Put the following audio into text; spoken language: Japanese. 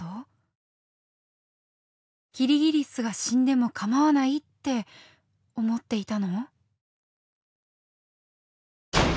「キリギリスが死んでも構わない」って思っていたの？